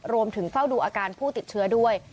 เฝ้าดูอาการผู้ติดเชื้อด้วย